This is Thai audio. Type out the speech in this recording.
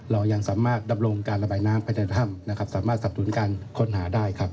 เรายังสามารถดำรงการระบายน้ำไปในถ้ำนะครับสามารถสับสนุนการค้นหาได้ครับ